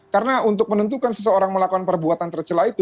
karena untuk menentukan seseorang melakukan perbuatan tercelah itu